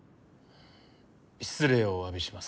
失礼をおわびします。